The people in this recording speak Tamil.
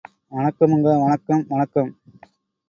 வணக்கமுங்க வணக்கம் வணக்கம்